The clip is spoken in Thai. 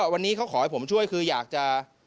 วันนี้เขาขอให้ผมช่วยคืออยากจะ